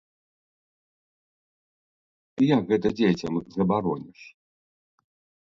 Як гэта дзецям забароніш?